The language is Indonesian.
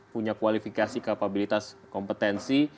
punya kualifikasi kapabilitas kompetensi